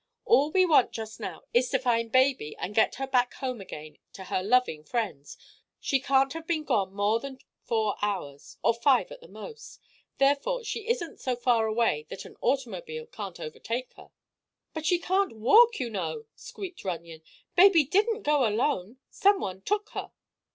All we want, just now, is to find baby and get her back home again to her loving friends. She can't have been gone more than four hours—or five, at the most. Therefore she isn't so far away that an automobile can't overtake her." "But she can't walk, you know," squeaked Runyon. "Baby didn't go alone; some one took her."